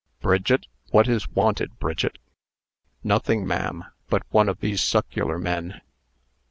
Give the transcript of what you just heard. "Bridget what is wanted, Bridget?" "Nothing ma'am, but one of these succular men.